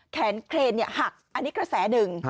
แขนเครนหักอันนี้กระแสหนึ่ง